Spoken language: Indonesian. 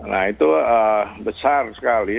nah itu besar sekali